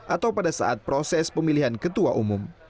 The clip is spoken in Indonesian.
atau pada saat proses pemilihan ketua umum